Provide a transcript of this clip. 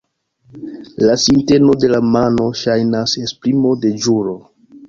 La sinteno de la mano ŝajnas esprimo de ĵuro.